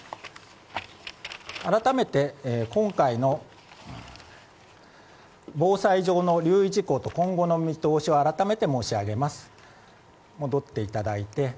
改めて今回の防災上の留意事項と今後の見通しを改めて申し上げます。